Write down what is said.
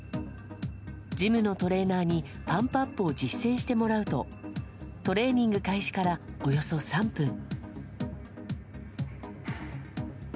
ジムのトレーナーに、パンプアップを実践してもらうと、トレーニング開始からおよそ３分。